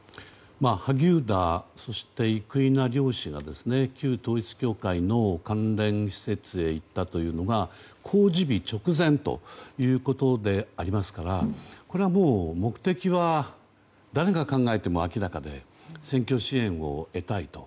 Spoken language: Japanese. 萩生田、そして生稲両氏が旧統一教会の関連施設へ行ったというのが公示日直前ということでありますからこれはもう、目的は誰が考えても明らかで選挙支援を得たいと。